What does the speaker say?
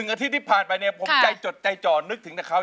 อาทิตย์ที่ผ่านไปเนี่ยผมใจจดใจจ่อนึกถึงแต่เขา